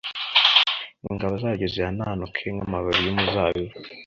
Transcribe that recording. ingabo zaryo zihanantuke nk’amababi y’umuzabibu,